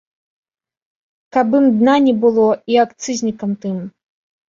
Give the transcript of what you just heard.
Каб ім дна не было і акцызнікам тым!